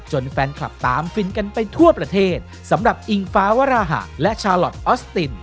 แฟนคลับตามฟินกันไปทั่วประเทศสำหรับอิงฟ้าวราหะและชาลอทออสติน